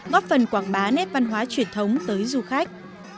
góp phần quảng bá nét văn hóa truyền thống tới du khách